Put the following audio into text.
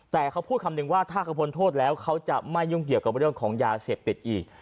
แต่เขาพูดคำนึงว่าถ้าเขาพ้นโทษแล้วเขาจะไม่ยุ่งเกี่ยวกับเรื่องของยาเสพติดอีก